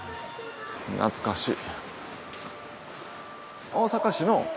懐かしい。